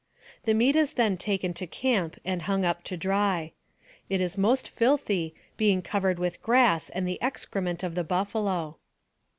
The meat is then taken to camp and hung up to dry. It is most filthy, being covered with grass and the excrement of the buffalo.